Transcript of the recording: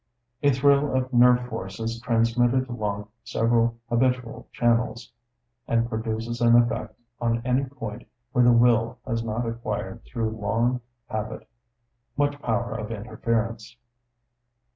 A thrill of nerve force is transmitted along several habitual channels, and produces an effect on any point where the will has not acquired through long habit much power of interference.